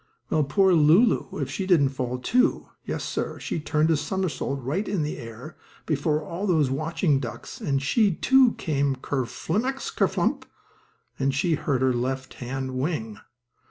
Well, poor Lulu, if she didn't fall, too! Yes, sir, she turned a somersault right in the air, before all those watching ducks, and she, too, came down ker flimmax ker flump, and she hurt her left hand wing.